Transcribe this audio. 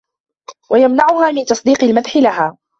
وَيَمْنَعَهَا مِنْ تَصْدِيقِ الْمَدْحِ لَهَا